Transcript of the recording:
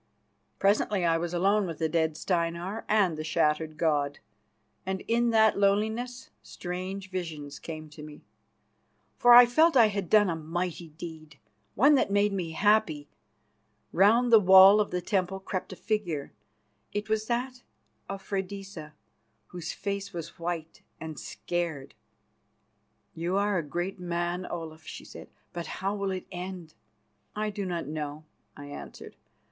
Presently I was alone with the dead Steinar and the shattered god, and in that loneliness strange visions came to me, for I felt that I had done a mighty deed, one that made me happy. Round the wall of the temple crept a figure; it was that of Freydisa, whose face was white and scared. "You are a great man, Olaf," she said; "but how will it end?" "I do not know," I answered.